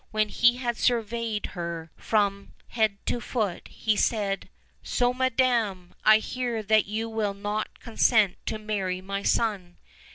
When he had surveyed her from OLD, OLD FAIRY TALES. 237 head to foot he said: "So, madam! I hear that you will not consent to marry my son.